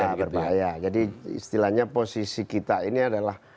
ya berbahaya jadi istilahnya posisi kita ini adalah